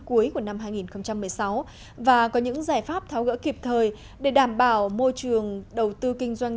cuối của năm hai nghìn một mươi sáu và có những giải pháp tháo gỡ kịp thời để đảm bảo môi trường đầu tư kinh doanh